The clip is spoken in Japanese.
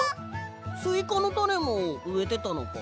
スイカのたねもうえてたのか？